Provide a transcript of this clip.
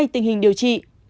tình hình điều trị